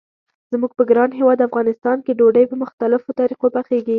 زموږ په ګران هیواد افغانستان کې ډوډۍ په مختلفو طریقو پخیږي.